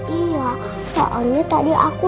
iya soalnya tadi aku